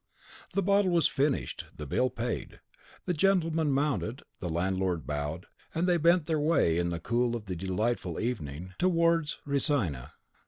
The bottle was finished, the bill paid; the gentlemen mounted, the landlord bowed, and they bent their way, in the cool of the delightful evening, towards Resina.